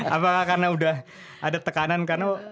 apakah karena udah ada tekanan karena